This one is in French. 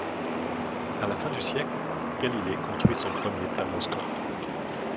À la fin du siècle, Galilée construit son premier thermoscope.